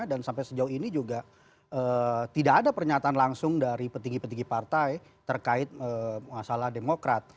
dan sampai sejauh ini juga tidak ada pernyataan langsung dari petinggi petinggi partai terkait masalah demokrat